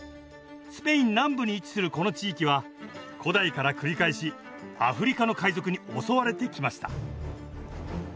スペイン南部に位置するこの地域は古代から繰り返しアフリカの海賊に襲われてきました。